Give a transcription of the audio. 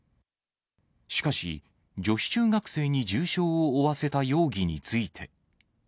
しかし、女子中学生に重傷を負わせた容疑について。